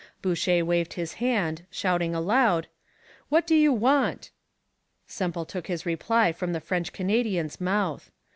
Boucher waved his hand, shouting aloud: 'What do you want?' Semple took his reply from the French Canadian's mouth.